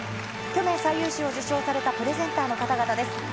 去年最優秀を受賞されたプレゼンターの方々です。